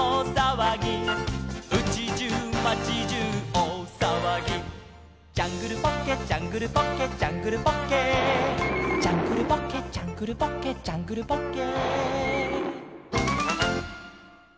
「うちじゅう町じゅうおおさわぎ」「ジャングルポッケジャングルポッケ」「ジャングルポッケ」「ジャングルポッケジャングルポッケ」「ジャングルポッケ」